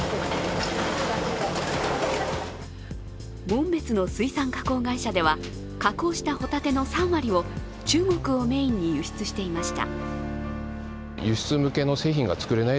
紋別の水産加工会社では加工したホタテの３割を中国をメインに輸出していました。